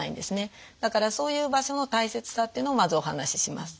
だからそういう場所の大切さっていうのをまずお話しします。